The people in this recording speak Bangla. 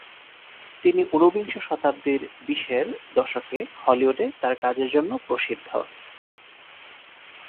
তিনি উনবিংশ শতাব্দীর বিশের দশকে হলিউডে তার কাজের জন্য প্রসিদ্ধ।